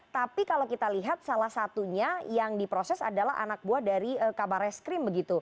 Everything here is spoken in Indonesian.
tapi kalau kita lihat salah satunya yang diproses adalah anak buah dari kabar reskrim begitu